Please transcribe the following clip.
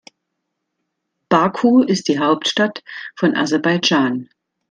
Baku ist die Hauptstadt von Aserbaidschan.